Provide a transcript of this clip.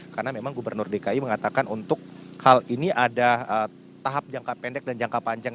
karena memang gubernur dki mengatakan untuk hal ini ada tahap jangka pendek dan jangka panjang